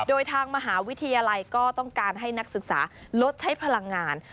โดยทางมหาวิทยาลัยก็ต้องการให้นักศึกษาลดใช้พลังงาน